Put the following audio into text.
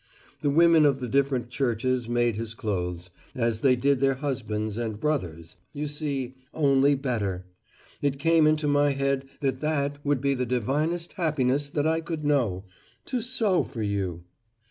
The women of the different churches made his clothes, as they did their husbands' and brothers.' you see only better! It came into my head that that would be the divinest happiness that I could know to sew for you!